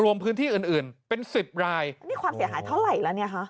รวมพื้นที่อื่นเป็นสิบรายนี่ความเสียหายเท่าไหร่แล้วเนี่ยฮะ